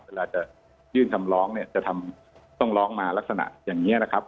เวลาจะยื่นคำร้องเนี่ยจะต้องร้องมาลักษณะอย่างนี้นะครับ